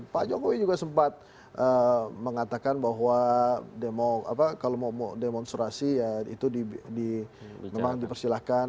pak jokowi juga sempat mengatakan bahwa kalau mau demonstrasi ya itu memang dipersilahkan